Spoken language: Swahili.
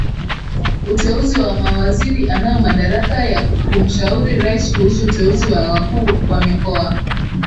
uteuzi wa MawaziriAnayo madaraka ya kumshauri rais kuhusu uteuzi wa wakuu wa mikoa